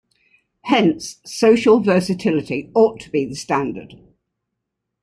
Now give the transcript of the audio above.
Hence social versatility ought to be the standard.